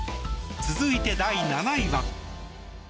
続いて、第７位は。